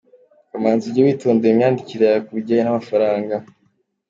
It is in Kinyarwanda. Kamanzi ujye witondera imyandikire yawe ku bijyanye n'amafaranga.